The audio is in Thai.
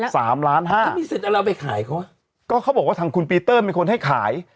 สามล้านห้าถ้ามีเสร็จเอาแล้วไปขายก็ว่าก็เขาบอกว่าทางคุณปีเติร์มเป็นคนให้ขาย